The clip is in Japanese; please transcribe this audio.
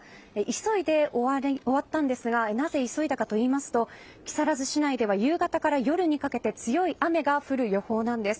急いで終わったんですがなぜ、急いだかといいますと木更津市内では夕方から夜にかけて強い雨が降る予報なんです。